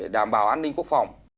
đảm bảo an ninh quốc phòng